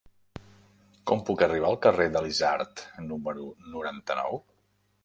Com puc arribar al carrer de l'Isard número noranta-nou?